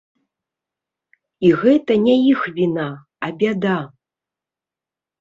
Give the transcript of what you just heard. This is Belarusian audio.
І гэта не іх віна, а бяда.